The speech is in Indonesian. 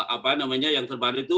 apa namanya yang terbaru itu